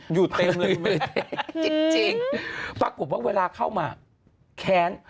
อยู่เต็มเลยแม่จริงปรากฏว่าเวลาเข้ามาแค้น